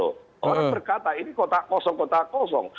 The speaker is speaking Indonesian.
orang berkata ini kota kosong kota kosong